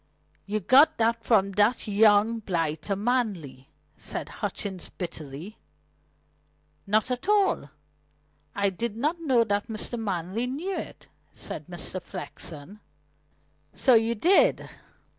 "You got that from that young blighter Manley," said Hutchings bitterly. "Not at all. I did not know that Mr. Manley knew it," said Mr. Flexen. "So you did?"